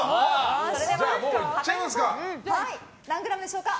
それでは何グラムでしょうか。